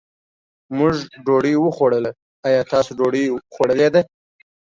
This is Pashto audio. مونږ ډوډۍ وخوړله، ايا تاسو ډوډۍ خوړلې ده؟